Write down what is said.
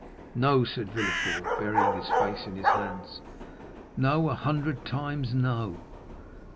"No," said Villefort, burying his face in his hands, "no, a hundred times no!"